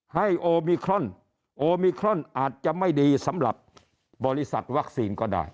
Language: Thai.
โอมิครอนโอมิครอนอาจจะไม่ดีสำหรับบริษัทวัคซีนก็ได้